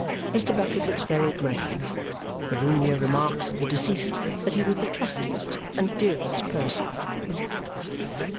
Mr. Bucket looks very grave. Volumnia remarks of the deceased that he was the trustiest and dearest person!